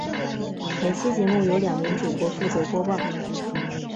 每期节目由两名主播负责播报。